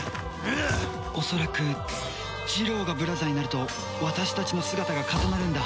恐らくジロウがブラザーになると私たちの姿が重なるんだ。